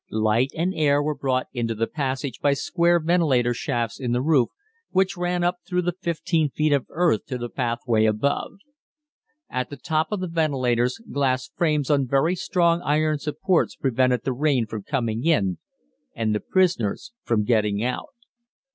Light and air were brought into the passage by square ventilator shafts in the roof which ran up through the 15 feet of earth to the pathway above. At the top of the ventilators glass frames on very strong iron supports prevented the rain from coming in and the prisoners from getting out.